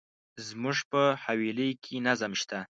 زموږ په حویلی کي نظم شته.